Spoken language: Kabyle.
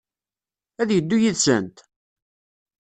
Ad yeddu yid-sent?